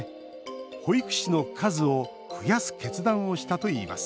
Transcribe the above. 保育士の数を増やす決断をしたといいます